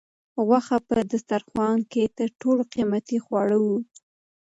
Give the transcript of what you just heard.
غوښه په دسترخوان کې تر ټولو قیمتي خواړه وو.